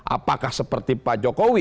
apakah seperti pak jokowi